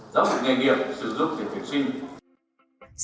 giáo dục nghề nghiệp sử dụng để tuyển sinh